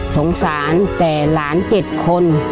สงสารแต่หลานเจ็ดคน